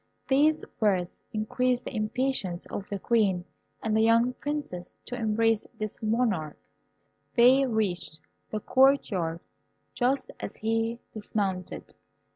These words increased the impatience of the Queen and the young Princess to embrace this monarch. They reached the court yard just as he dismounted.